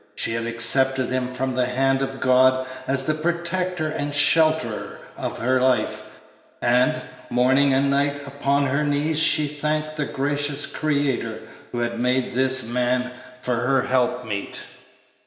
She had accepted him from the hand of God as the protector and shelterer of her life; and, morning and night, upon her knees she thanked the gracious Creator who had made this man for her helpmeet.